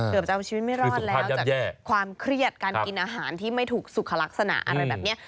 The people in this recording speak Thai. จะเอาชีวิตไม่รอดแล้วจากความเครียดการกินอาหารที่ไม่ถูกสุขลักษณะอะไรแบบนี้